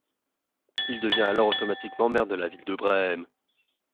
Il devient alors automatiquement maire de la ville de Brême.